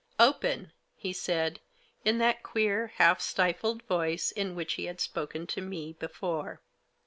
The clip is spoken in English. " Open !" he said, in that queer, half stifled voice in which he had spoken to me before.